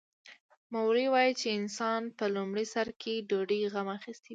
مولوي وايي چې انسان په لومړي سر کې ډوډۍ غم اخیستی وي.